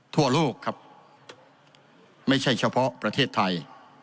ทั่วโลกครับไม่ใช่เฉพาะประเทศไทย